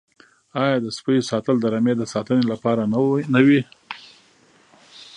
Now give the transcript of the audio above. آیا د سپیو ساتل د رمې د ساتنې لپاره نه وي؟